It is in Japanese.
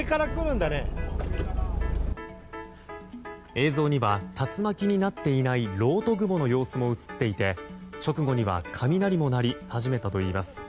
映像には竜巻になっていないろうと雲の様子も映っていて直後には雷も鳴り始めたといいます。